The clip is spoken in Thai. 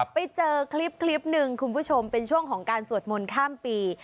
ไปเจอคลิปหนึ่งคุณผู้ชมเป็นช่วงของการสวดมนต์ข้ามปี